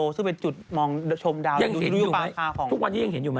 ซึ่งเป็นจุดมองชมดาวยังเห็นอยู่ไหมทุกวันนี้ยังเห็นอยู่ไหม